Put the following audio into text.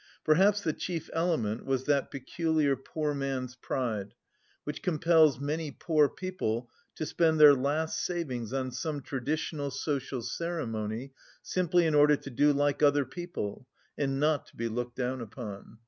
Perhaps the chief element was that peculiar "poor man's pride," which compels many poor people to spend their last savings on some traditional social ceremony, simply in order to do "like other people," and not to "be looked down upon."